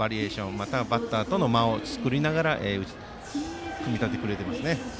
またバッターとの間を作りながら組み立てていますね。